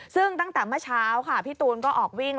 ซึ่งตั้งแต่มาเช้าพี่ตูนก็ออกวิ่ง